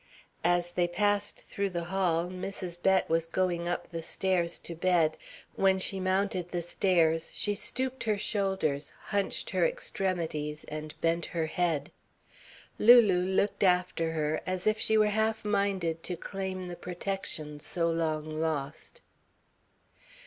As they passed through the hall, Mrs. Bett was going up the stairs to bed when she mounted stairs she stooped her shoulders, bunched her extremities, and bent her head. Lulu looked after her, as if she were half minded to claim the protection so long lost.